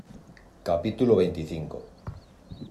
capítulo veinticinco.